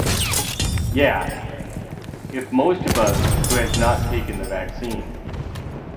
Ya. If most of us who has not taken the vaccine.